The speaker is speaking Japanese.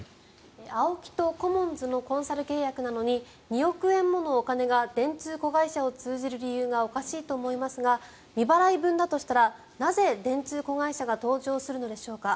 ＡＯＫＩとコモンズのコンサル契約なのに２億円ものお金が電通子会社を通じる理由がおかしいと思いますが未払い分だとしたらなぜ、電通子会社が登場するのでしょうか。